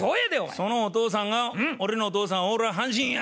「そのお父さんが俺のお父さんオール阪神や」